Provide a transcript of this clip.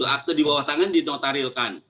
akte di bawah tangan dinotarilkan